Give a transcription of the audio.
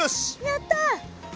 やった！